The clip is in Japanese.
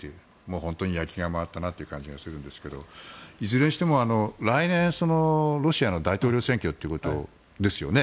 本当に焼きが回ったなという感じがするんですがいずれにしても来年、ロシアの大統領選挙ということですよね。